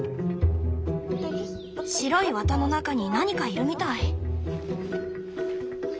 白い綿の中に何かいるみたい。